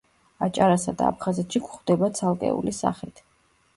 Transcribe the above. აჭარასა და აფხაზეთში გვხვდება ცალკეული სახით.